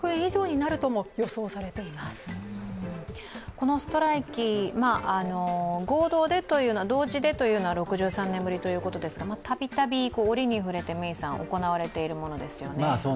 このストライキ、合同で、同時でというのは６３年ぶりと言うことですが度々、折に触れて行われているものですよね。